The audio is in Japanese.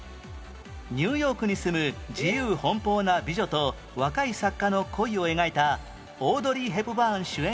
ニューヨークに住む自由奔放な美女と若い作家の恋を描いたオードリー・ヘプバーン主演